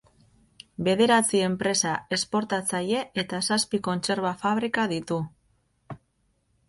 Bederatzi enpresa esportatzaile eta zazpi kontserba fabrika ditu.